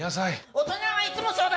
大人はいつもそうだ！